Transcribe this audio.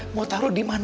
mau taruh di rumah ya